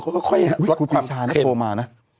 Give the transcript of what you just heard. ขอบพิชานะโปรมา